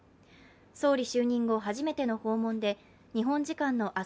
総理就任後、初めての訪問で日本時間の明日